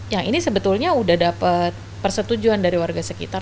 yang ini sebetulnya sudah dapat persetujuan dari warga sekitar